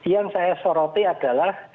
yang saya soroti adalah